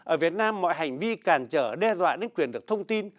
ở việt nam mọi hành vi cản trở đe dọa đến quyền được thông tin